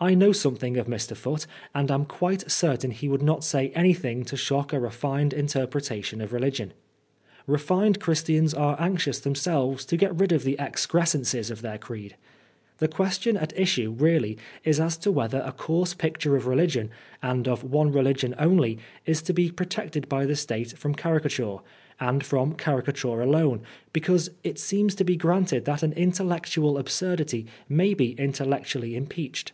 I know something of Mr. Foote, and I am quite certain he would not say anything to shock a refined interpre tation of religion. Befined Christians are anxious themselves to get rid of tike excrescences of their creed. The question at issue really is as to whether a coarse picture of religion, and of one religion only, is to be protected by the State from caricature, and from caricature alone ; because it seems to be granted that an intellectual absurdity may be intellectually impeached.